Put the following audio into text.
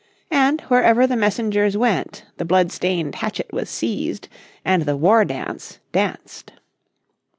And wherever the messengers went the blood stained hatchet was seized, and the war dance danced.